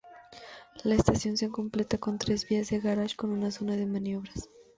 La estación se completa con tres vías de garaje con una zona de maniobras.